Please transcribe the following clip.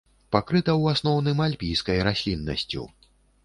Пакрыта ў асноўным альпійскай расліннасцю.